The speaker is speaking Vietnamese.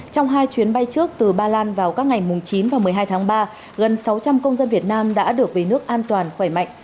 trong hai chuyến bay trước từ ba lan vào các ngày chín và một mươi hai tháng ba gần sáu trăm linh công dân việt nam đã được về nước an toàn khỏe mạnh